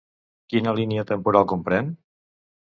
Quina línia temporal comprèn?